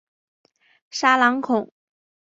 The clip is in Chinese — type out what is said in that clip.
沙朗孔。